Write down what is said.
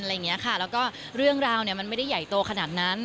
แล้วก็เรื่องราวเนี่ยมันไม่ได้ใหญ่โตขนาดนั้น